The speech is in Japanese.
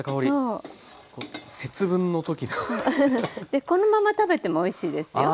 でこのまま食べてもおいしいですよ。